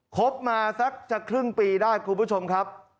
คบมาสักจะครึ่งปีได้คุณผู้ชมครับ